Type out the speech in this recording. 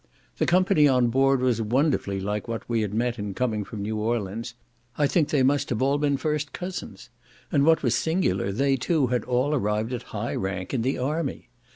The company on board was wonderfully like what we had met in coming from New Orleans; I think they must have all been first cousins; and what was singular, they too had all arrived at high rank in the army.